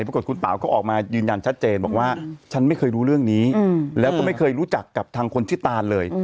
ปรากฏคุณเป๋าก็ออกมายืนยันชัดเจนบอกว่าฉันไม่เคยรู้เรื่องนี้แล้วก็ไม่เคยรู้จักกับทางคนชื่อตานเลย